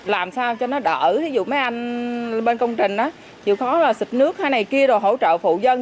làm sao cho nó đỡ ví dụ mấy anh bên công trình đó chịu khó là xịt nước hay này kia đồ hỗ trợ phụ dân